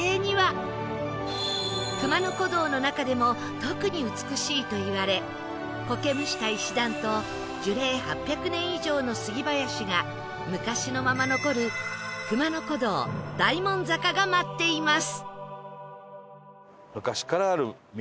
熊野古道の中でも特に美しいといわれ苔むした石段と樹齢８００年以上の杉林が昔のまま残る熊野古道大門坂が待っています